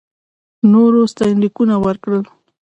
نورو ستاینلیکونه ورکړل.